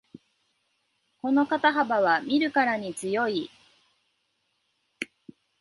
この肩幅は見るからに強い